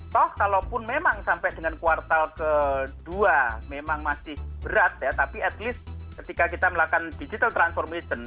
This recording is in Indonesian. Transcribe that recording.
toh kalaupun memang sampai dengan kuartal ke dua memang masih berat ya tapi setidaknya ketika kita melakukan digital transformation